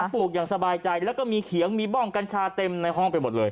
ปลูกอย่างสบายใจแล้วก็มีเขียงมีบ้องกัญชาเต็มในห้องไปหมดเลย